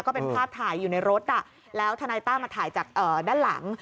ก็เป็นภาพถ่ายอยู่ในรถแล้วทนายต้ามาถ่ายจากด้านหลัง